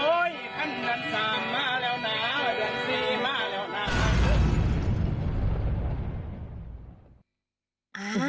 โอ้ยท่านดันสามมาแล้วนะเดือนสี่มาแล้วนะ